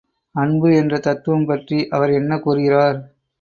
அன்பு என்ற தத்துவம் பற்றி அவர் என்ன கூறுகிறார்?